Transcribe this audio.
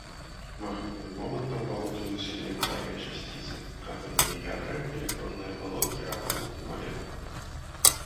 Магнітным момантам валодаюць элементарныя часціцы, атамныя ядра, электронныя абалонкі атамаў і малекул.